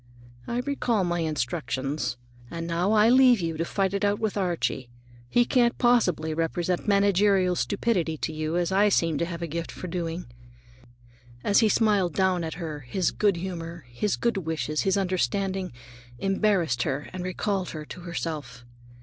"I recall my instructions, and now I'll leave you to fight it out with Archie. He can't possibly represent managerial stupidity to you as I seem to have a gift for doing." As he smiled down at her, his good humor, his good wishes, his understanding, embarrassed her and recalled her to herself.